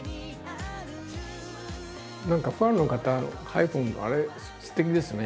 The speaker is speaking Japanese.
何かファンの方のハイフンのあれすてきですね。